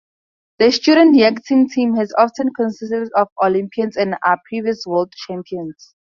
The student yachting team has often consisted of Olympians and are previous world champions.